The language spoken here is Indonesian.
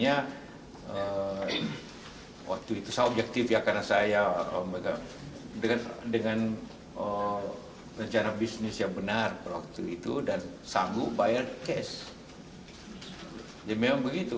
jadi memang begitu kalau krim macet kalau ada yang mau beli cash dengan harga tentu dapat discount